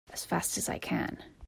As fast as I can!